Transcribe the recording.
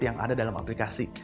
yang ada dalam aplikasi